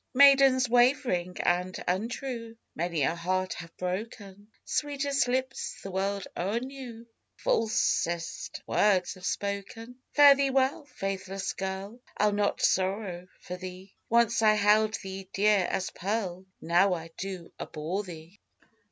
Maidens wav'ring and untrue, Many a heart have broken; Sweetest lips the world e'er knew, Falsest words have spoken. Fare thee well, faithless girl, I'll not sorrow for thee; Once I held thee dear as pearl, Now I do abhor thee. Temp.